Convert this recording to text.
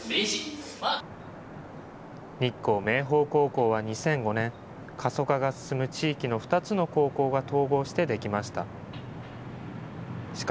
日光明峰高校は２００５年、過疎化が進む地域の２つの高校が統合して出来ました。